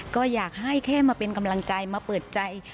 ก็อยากให้แค่มาเป็นกำลังใจมาเปิดใจ